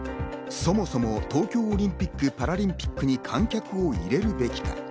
そもそも、東京オリンピック・パラリンピックに観客を入れるべきか。